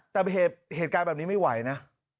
แต่เหตุการณ์แบบนี้ไม่ไหวนะ